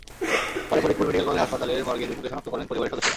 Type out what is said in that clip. পরে Faridpur medical college হাসপাতালের মর্গে দীপুকে শনাক্ত করেন পরিবারের সদস্যরা।